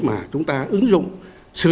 mà chúng ta ứng dụng sử dụng vào